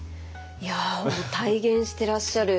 いや体現してらっしゃる。